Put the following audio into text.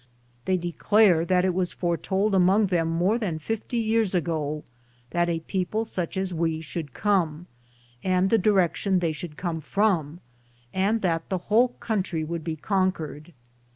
They declare that it was foretold among them more than fifty years ago that a people such as we are should come, and the direction they should come from, and that the whole country would be conquered.